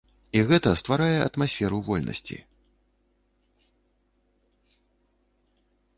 І гэта стварае атмасферу вольнасці.